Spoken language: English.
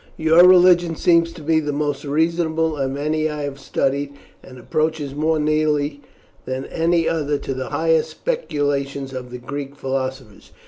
"Your religion seems to me the most reasonable of any I have studied, and approaches more nearly than any other to the highest speculations of the Greek philosophers.